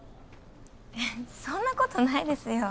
えそんなことないですよ。